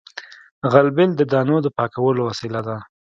غلبېل د دانو د پاکولو وسیله ده